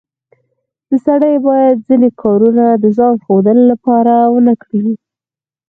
سړی باید ځینې کارونه د ځان ښودلو لپاره ونه کړي